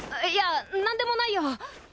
いや何でもないよ。